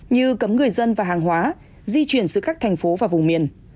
như cấm người dân và hàng hóa di chuyển giữa các thành phố và vùng miền